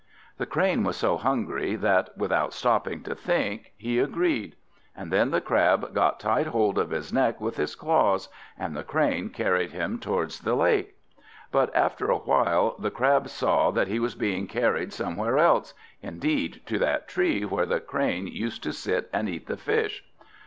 The Crane was so hungry that, without stopping to think, he agreed; and then the Crab got tight hold of his neck with his claws, and the Crane carried him towards the lake. But after a while the Crab saw that he was being carried somewhere else, indeed to that tree where the Crane used to sit and eat the fish.